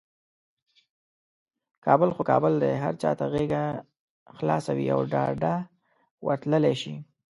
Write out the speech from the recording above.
کابل خو کابل دی، هر چاته یې غیږه خلاصه وي او ډاده ورتللی شي.